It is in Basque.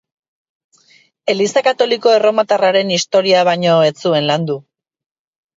Eliza Katoliko Erromatarraren historia baino ez zuen landu.